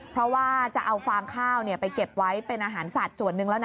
สามคำถึงเว้ย